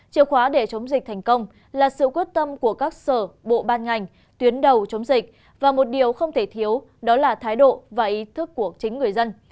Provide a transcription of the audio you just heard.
chiều khóa để chống dịch thành công là sự quyết tâm của các sở bộ ban ngành tuyến đầu chống dịch và một điều không thể thiếu đó là thái độ và ý thức của chính người dân